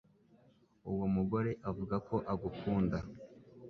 Uwo mugore avuga ko agukunda